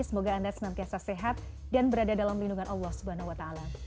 semoga anda senantiasa sehat dan berada dalam lindungan allah swt